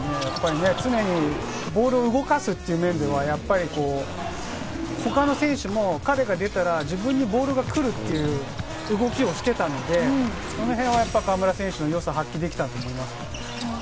常にボールを動かすという面ではやっぱり、他の選手も彼が出たら自分にボールがくるという動きをしていたので、そのへんは河村選手のよさが発揮できたと思いますね。